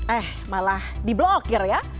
eh malah diblokir ya